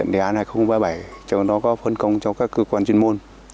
đề án hai nghìn ba mươi bảy cho nó có phân công cho các cơ quan chuyên môn